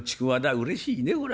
うれしいねこら。